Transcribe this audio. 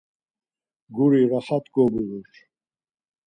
Guri raxat gobulur..